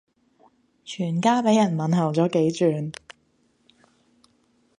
全家俾人問候咗幾轉